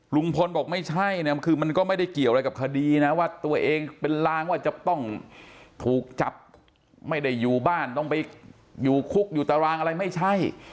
ลุงพลบอกไม่ใช่เนี่ยคือมันก็ไม่ได้เกี่ยวอะไรกับคดีนะว่าตัวเองเป็นลางว่าจะต้องถูกจับไม่ได้อยู่บ้านต้องไปอยู่คุกอยู่ตารางอะไรไม่ใช่